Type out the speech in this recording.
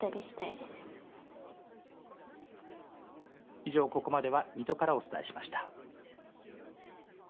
以上、ここまでは水戸からお伝えしました。